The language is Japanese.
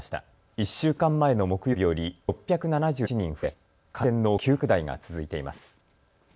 １週間前の木曜日より６７１人増え感染の急拡大が続いています。